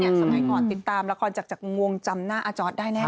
สมัยก่อนติดตามละครจากวงจำหน้าอาจอร์ดได้แน่